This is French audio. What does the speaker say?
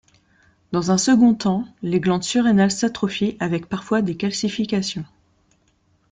Dans un second temps les glandes surrénales s'atrophient avec parfois des calcifications.